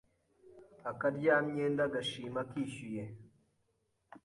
Akaryamyenda gashima kishyuye